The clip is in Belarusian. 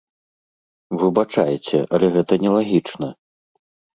Выбачайце, але гэта нелагічна.